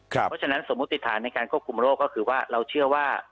เพราะฉะนั้นสมมุติฐานในการควบคุมโรคก็คือว่าเราเชื่อว่า